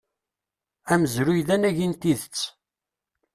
Amezruy d anagi n tidet.